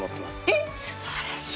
えっ！素晴らしい。